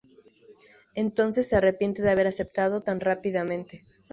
Entonces se arrepiente de haber aceptado tan rápidamente.